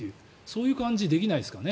そういう感じできないですかね。